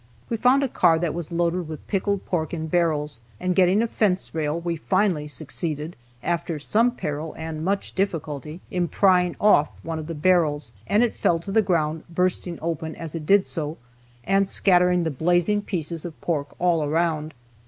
We found a car that was loaded with pickled pork in barrels, and getting a fence rail, we finally succeeded, after some peril and much difficulty, in prying off one of the barrels, and it fell to the ground, bursting open as it did so, and scattering the blazing pieces of pork all around.